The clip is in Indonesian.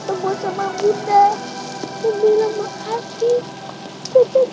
seperti banyak keluarga nafian good